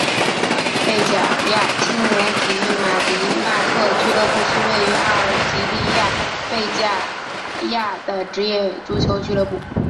贝贾亚青年体育马迪纳特俱乐部是位于阿尔及利亚贝贾亚的职业足球俱乐部。